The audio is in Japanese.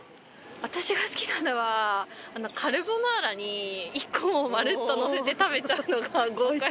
私が好きなのはカルボナーラに１個もうまるっとのせて食べちゃうのが豪快。